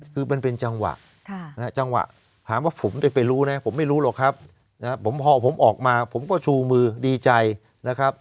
คือมันเป็นจังหวะจังหวะถามว่าผมได้ไปรู้นะผมไม่รู้หรอกครับผมพอผมออกมาผมก็ชูมือดีใจนะครับ